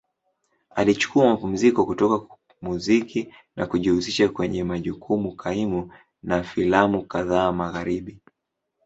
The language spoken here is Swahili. Alichukua mapumziko kutoka muziki na kujihusisha kwenye majukumu kaimu na filamu kadhaa Magharibi.